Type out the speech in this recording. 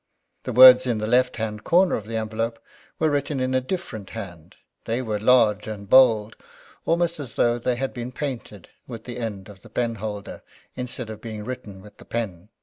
The words in the left hand corner of the envelope were written in a different hand. They were large and bold; almost as though they had been painted with the end of the penholder instead of being written with the pen.